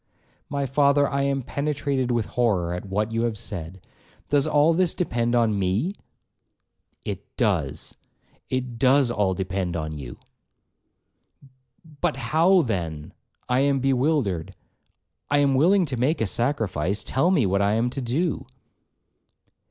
'My father, I am penetrated with horror at what you have said,—does all this depend on me?' 'It does,—it does all depend on you.' 'But how, then,—I am bewildered,—I am willing to make a sacrifice,—tell me what I am to do.'